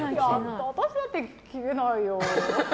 私だって聞けないよ。